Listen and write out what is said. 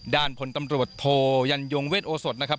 ผลตำรวจโทยันยงเวทโอสดนะครับ